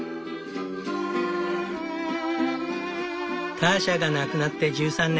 ターシャが亡くなって１３年。